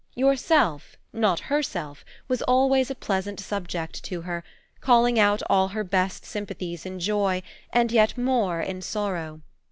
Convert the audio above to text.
Yourself, not herself, was always a pleasant subject to her, calling out all her best sympathies in joy, and yet more in sorrow.